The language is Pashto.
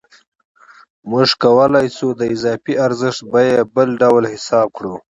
موږ کولای شو د اضافي ارزښت بیه بله ډول حساب کړو